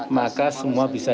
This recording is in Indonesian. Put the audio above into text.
maka semua bisa